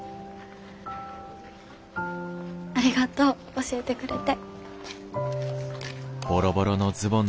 ありがとう教えてくれて。